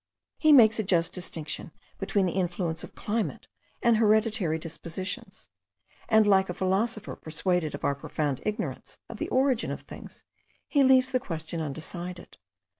He makes a just distinction between the influence of climate, and hereditary dispositions; and, like a philosopher persuaded of our profound ignorance of the origin of things, he leaves the question undecided.